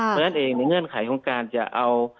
เพราะฉะนั้นเองในเงื่อนไขของการจะเอา